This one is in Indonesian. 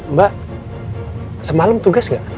mbak semalam tugas gak